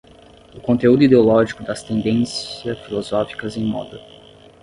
o conteúdo ideológico das tendência filosóficas em moda